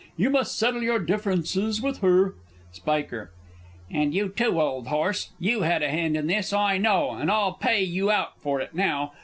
You must settle your differences with her. Spiker. And you too, old horse! You had a hand in this, I know, and I'll pay you out for it now.